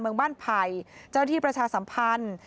เจ้าหน้าที่ประชาสัมพันธ์